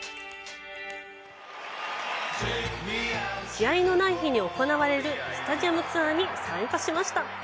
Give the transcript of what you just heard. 試合のない日に行われるスタジアムツアーに参加しました。